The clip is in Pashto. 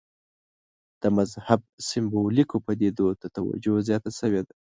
د مذهب سېمبولیکو پدیدو ته توجه زیاته شوې ده.